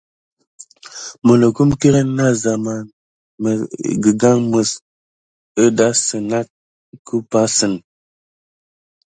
Minokum kirine na zamane higaka mis hidasinat kupasine.